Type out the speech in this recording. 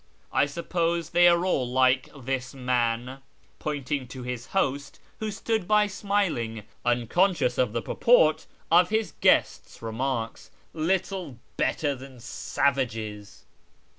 I suppose they are all like this man " (pointing to his host, who stood by smiling, unconscious of the purport of his guest's remarks) — "little better than savages."